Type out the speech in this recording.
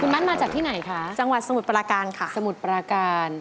คุณมัดมาจากที่ไหนคะจังหวัดสมุดปราการค่ะ